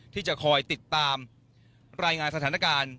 ที่จะคอยติดตามรายงานสถานการณ์